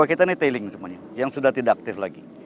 kita ini tailing semuanya yang sudah tidak aktif lagi